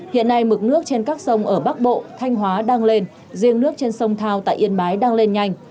hiện nay mực nước trên các sông ở bắc bộ thanh hóa đang lên riêng nước trên sông thao tại yên bái đang lên nhanh